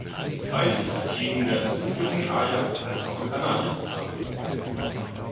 Beide Disziplinen werden sowohl im Kajak als auch im Kanadier gefahren.